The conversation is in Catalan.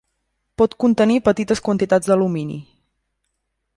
Pot contenir petites quantitats d'alumini.